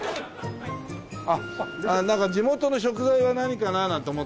あっなんか地元の食材は何かななんて思って。